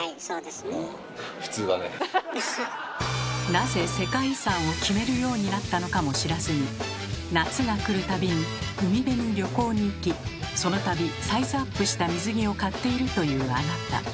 なぜ世界遺産を決めるようになったのかも知らずに夏が来るたびに海辺に旅行に行きそのたびサイズアップした水着を買っているというあなた。